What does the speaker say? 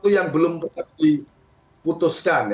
yang belum diputuskan